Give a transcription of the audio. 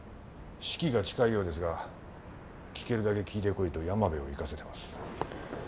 死期が近いようですが聞けるだけ聞いてこいと山を行かせてます。